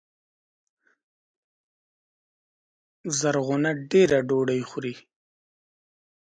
زرغونه دېره ډوډۍ خوري